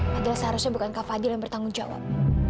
padahal seharusnya bukan mbak fadil yang bertanggung jawab